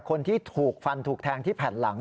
คนที่ถูกฟันถูกแทงที่แผ่นหลัง